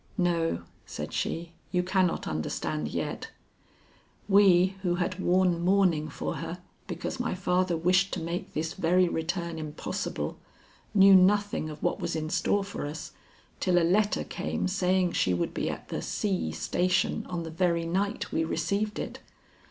"No," said she, "you cannot understand yet. We who had worn mourning for her because my father wished to make this very return impossible, knew nothing of what was in store for us till a letter came saying she would be at the C. station on the very night we received it.